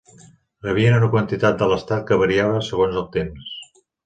Rebien una quantitat de l'estat que variava segons els temps.